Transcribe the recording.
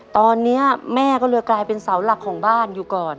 ตอนนี้แม่ก็เลยกลายเป็นเสาหลักของบ้านอยู่ก่อน